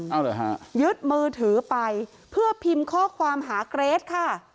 เอาเหรอฮะยึดมือถือไปเพื่อพิมพ์ข้อความหาเกรทค่ะ